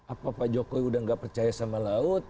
apa pak jokowi udah gak percaya sama laut